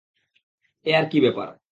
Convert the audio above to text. এ আর কি ব্যাপার?